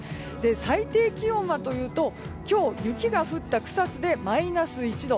最低気温は今日雪が降った草津でマイナス１度。